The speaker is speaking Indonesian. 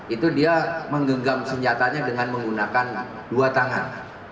itu dia menggenggam senjatanya dengan menggunakan dua tangan